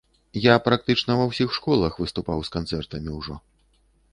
Я практычна ва ўсіх школах выступаў з канцэртамі ўжо.